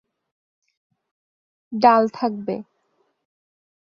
ডাল থাকবে।